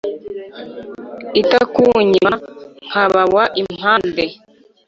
itakunyima nkabawa impande